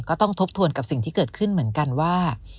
ทบทวนกับสิ่งที่เกิดขึ้นเหมือนกันว่า